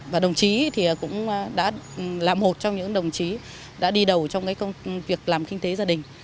và đồng chí thì cũng đã là một trong những đồng chí đã đi đầu trong công việc làm kinh tế gia đình